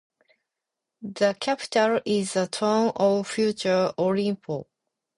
The capital is the town of Fuerte Olimpo.